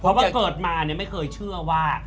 เพราะว่าเกิดมาไม่เคยเชื่อว่า